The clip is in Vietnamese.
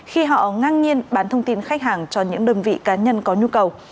khi họ ngang nhiên bán thông tin khách hàng cho những đơn vị cá nhân có nhu cầu